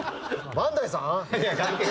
バンダイさん